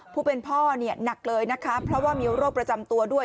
ผู้เป็นพ่อเนี่ยหนักเลยนะคะเพราะว่ามีโรคประจำตัวด้วย